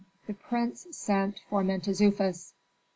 The prince sent for Mentezufis.